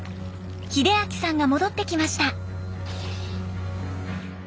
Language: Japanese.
秀明さんが戻ってきました。